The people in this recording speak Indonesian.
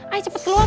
ayo cepet keluar